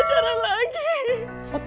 kenapa si kemit